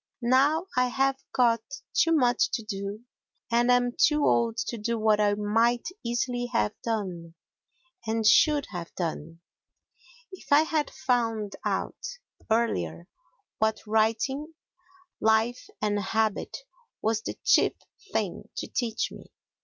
Now I have got too much to do and am too old to do what I might easily have done, and should have done, if I had found out earlier what writing Life and Habit was the chief thing to teach me.